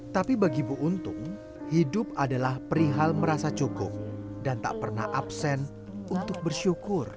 tapi bagi bu untung hidup adalah perihal merasa cukup dan tak pernah absen untuk bersyukur